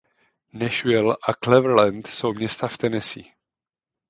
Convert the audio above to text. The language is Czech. Nashville a Cleveland jsou města v Tennessee.